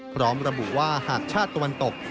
พร้อมระบุว่าหากชาติตะวันตก